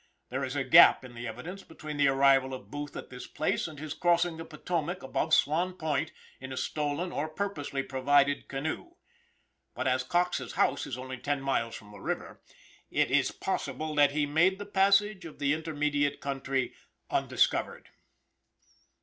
There is a gap in the evidence between the arrival of Booth at this place and his crossing the Potomac above Swan Point, in a stolen or purposely provided canoe. But as Coxe's house is only ten miles from the river, it is possible that he made the passage of the intermediate country undiscovered.